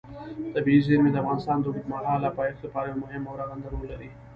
طبیعي زیرمې د افغانستان د اوږدمهاله پایښت لپاره یو مهم او رغنده رول لري.